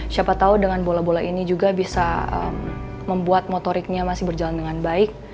siapa tahu dengan bola bola ini juga bisa membuat motoriknya masih berjalan dengan baik